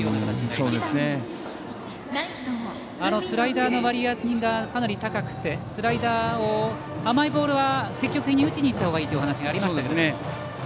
あのスライダーの割合がかなり高くて甘いボールは積極的に打ちに行ったほうがいいというお話がありましたけれども。